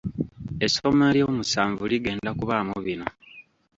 essomo eryomusanvu ligenda kubaamu bino.